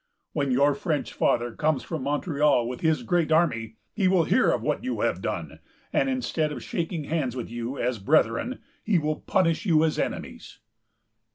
When your French father comes from Montreal with his great army, he will hear of what you have done, and, instead of shaking hands with you as brethren, he will punish you as enemies."